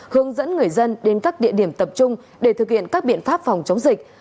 hướng dẫn người dân đến các địa điểm tập trung để thực hiện các biện pháp phòng chống dịch